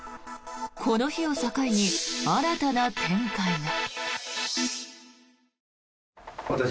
この日を境に新たな展開が。